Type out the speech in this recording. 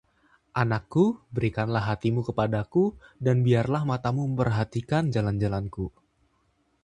Anakku, berikanlah hatimu kepadaku, dan biarlah matamu memperhatikan jalan-jalanku.